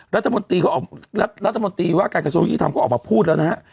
รัฐมนตรีว่าการกระทรวจกิจธรรมก็ออกมาพูดแล้วนะฮะ